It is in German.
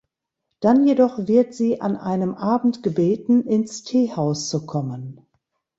Dann jedoch wird sie an einem Abend gebeten, ins Teehaus zu kommen.